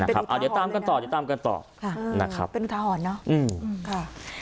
นะครับเดี๋ยวตามกันต่อเดี๋ยวตามกันต่อค่ะนะครับเป็นอุทาหรณ์เนอะอืมค่ะ